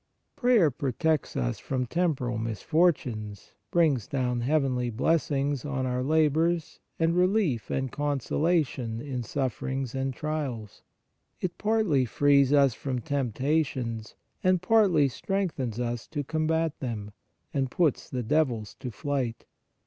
Prayer protects us from temporal misfortunes, brings down heavenly blessings on our labors and relief and consolation in sufferings and trials; it partly frees us from temptations and partly strength ens us to combat them, and puts the devils to flight.